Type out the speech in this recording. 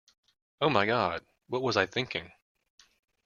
Oh my God, what was I thinking?